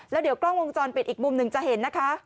แล้วเดี๋ยวกล้องวงจรปิดอีกมุมหนึ่งจะเห็นนะคะ